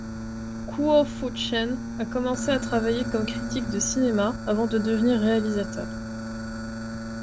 Kuo-Fu Chen a commencé à travailler comme critique de cinéma avant de devenir réalisateur.